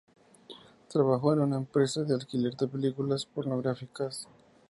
Trabajó en una empresa de alquiler de películas pornográficas.